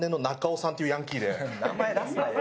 名前出すなよ。